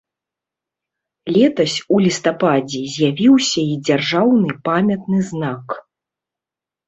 Летась у лістападзе з'явіўся і дзяржаўны памятны знак.